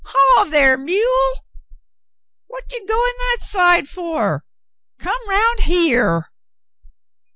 Haw there, mule. What ye goin' that side fer ; come 'round here."